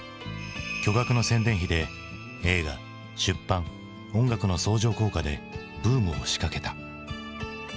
巨額の宣伝費で映画出版音楽の相乗効果でブームを仕掛けた。